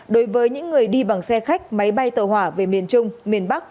đối với những người đi bằng xe khách máy bay tàu hỏa về miền trung miền bắc